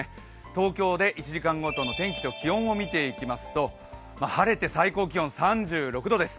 東京で１時間ごとの天気と気温を見ていきますと晴れて最高気温、３６度です。